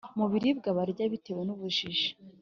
mu biribwa barya bitewe n’ubujiji.